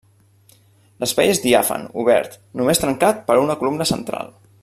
L’espai és diàfan, obert, només trencat per una columna central.